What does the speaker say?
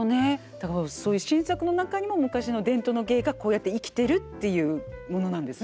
だからそういう新作の中にも昔の伝統の芸がこうやって生きてるっていうものなんですねこれね。